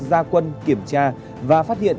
gia quân kiểm tra và phát hiện